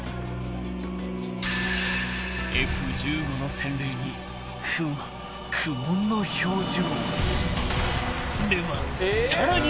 ［Ｆ−１５の洗礼に風磨苦悶の表情］